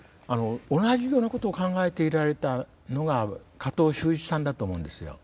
同じようなことを考えていられたのが加藤周一さんだと思うんですよ。